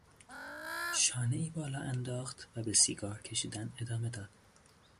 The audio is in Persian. شانهای بالا انداخت و به سیگار کشیدن ادامه داد.